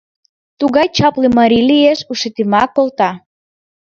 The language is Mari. Тугай чапле марий лиеш — ушетымак колта!..